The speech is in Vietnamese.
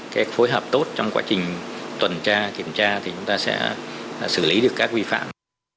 cái phối hợp tốt trong quá trình tuần tra kiểm tra thì chúng ta sẽ xử lý được các vi phạm